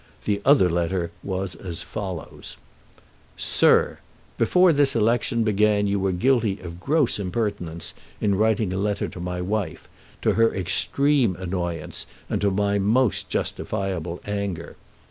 The other letter was as follows: SIR, Before this election began you were guilty of gross impertinence in writing a letter to my wife, to her extreme annoyance and to my most justifiable anger.